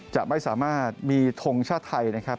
จะไม่สามารถมีทงชาติไทยนะครับ